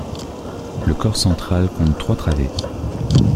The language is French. Le corps central compte trois travées.